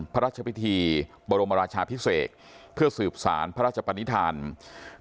พระราชพิธีบรมราชาพิเศษเพื่อสืบสารพระราชปนิษฐาน